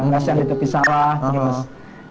resean di tepi salah terus